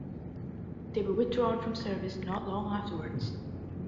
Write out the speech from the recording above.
They were withdrawn from service not long afterwards.